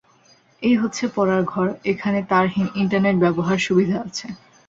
এই হচ্ছে পড়ার ঘর, এখানে তারহীন ইন্টারনেট ব্যবহার সুবিধা আছে।